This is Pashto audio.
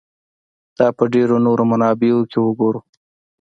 دا په ډېرو نورو منابعو کې وګورو.